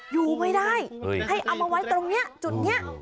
อยู่ไม่ได้ให้เอามาไว้ตรงนี้จุดนี้